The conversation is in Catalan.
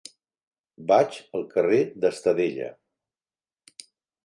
Vaig al carrer d'Estadella.